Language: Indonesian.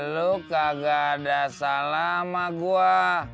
lo kagak ada salah sama gue